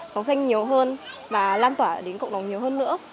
sống xanh nhiều hơn và lan tỏa đến cộng đồng nhiều hơn nữa